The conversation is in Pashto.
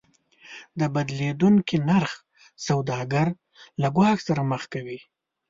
د بدلیدونکي نرخ سوداګر له ګواښ سره مخ کوي.